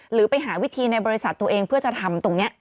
หรือไปหาวิธีในบริษัทตัวเองเพื่อจะทำตรงนี้